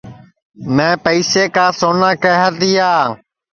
میں پئیسے کا سونوا کیہیا تیا